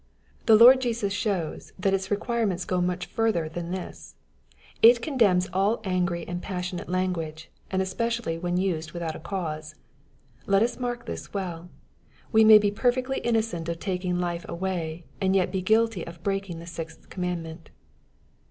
The Lord Jesus shows, that its requirements go much fiirthcr than this. It con demns all angry and passionate language, and especially when used without a cause. Let us mark this welL We may be perfectly innocent of taking life away, and yet be guilty of breaking the sixth commandment.